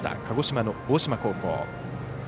鹿児島の大島高校。